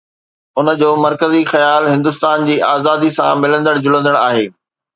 ان جو مرڪزي خيال هندستان جي آزاديءَ سان ملندڙ جلندڙ آهي